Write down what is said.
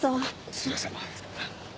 すいません。